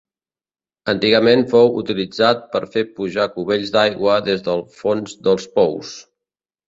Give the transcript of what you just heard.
Antigament fou utilitzat per fer pujar cubells d'aigua des del fons dels pous.